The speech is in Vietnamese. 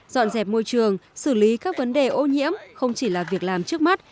dọn dẹp môi trường xử lý các vấn đề ô nhiễm không chỉ là việc làm trước mắt